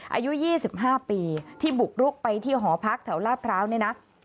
อายุ๒๕ปีที่บุกรุกไปที่หอพักแถวลาดพร้าวเนี่ยนะ